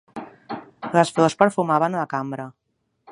Les flors perfumaven la cambra.